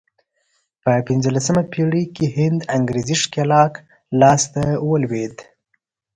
په پنځلسمه پېړۍ کې هند انګرېزي ښکېلاک لاس ته ولوېد.